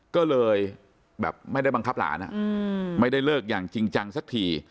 ก็เลยแบบไม่ได้บังคับหลานไม่ได้เลิกอย่างจริงจังสักที